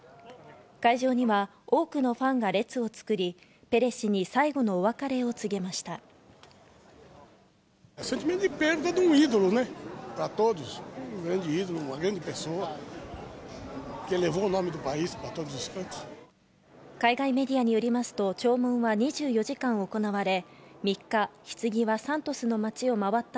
会場には多くのファンが列を作り、ペレ氏に最後のお別れを告げました。